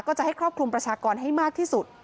จะให้ครอบคลุมประชากรให้มากที่สุด